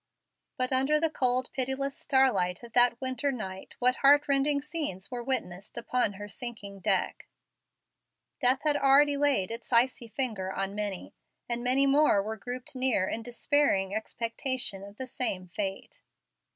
But under the cold, pitiless starlight of that winter night, what heartrending scenes were witnessed upon her sinking deck! Death had already laid its icy finger on many, and many more were grouped near in despairing expectation of the same fate.